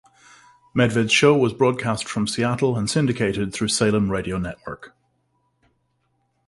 Medved's show was broadcast from Seattle and syndicated through Salem Radio Network.